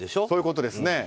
そういうことですね。